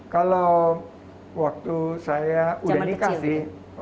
kalau waktu saya udah nikah sih